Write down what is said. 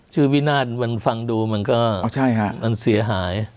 วินาศมันฟังดูมันก็มันเสียหาย